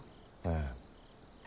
ええ。